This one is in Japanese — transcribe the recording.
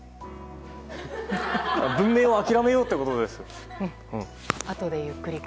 文明を諦めようってことです。